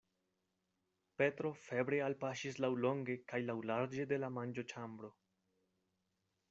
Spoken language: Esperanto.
Petro febre alpaŝis laŭlonge kaj laŭlarĝe de la manĝoĉambro.